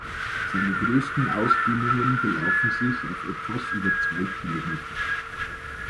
Seine größten Ausdehnungen belaufen sich auf etwas über zwei Kilometer.